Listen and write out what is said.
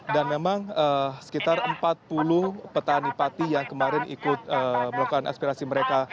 dan memang sekitar empat puluh petani pati yang kemarin ikut melakukan aspirasi mereka